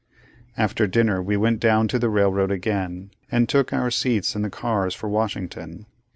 After dinner, we went down to the railroad again, and took our seats in the cars for Washington.